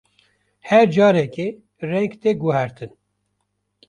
Her carekê, reng tê guhertin.